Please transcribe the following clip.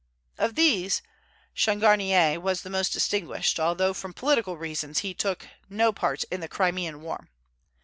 Of these Changarnier was the most distinguished, although, from political reasons, he took no part in the Crimean War.